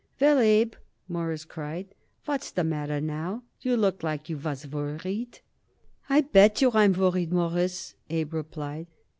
"Well, Abe," Morris cried, "what's the matter now? You look like you was worried." "I bet yer I'm worried, Mawruss," Abe replied.